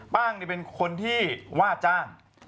ป้างเนี่ยเป็นคนที่ว่าจ้าง